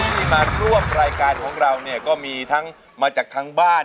ทุกที่มารวมรายการของเราก็มีทั้งมาจากทางบ้าน